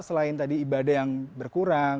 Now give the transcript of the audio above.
selain tadi ibadah yang berkurang